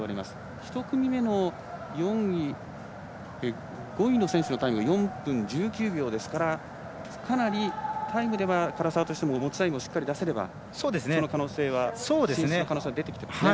１組目の５位の選手のタイムが４分１９秒ですからかなりタイムでは唐澤としても持ちタイムをしっかり出せれば進出の可能性はそうですね。